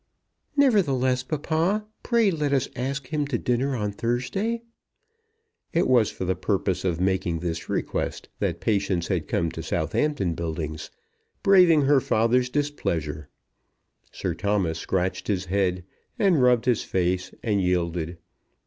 "Nevertheless, papa, pray let us ask him to dinner on Thursday." It was for the purpose of making this request that Patience had come to Southampton Buildings, braving her father's displeasure. Sir Thomas scratched his head, and rubbed his face, and yielded.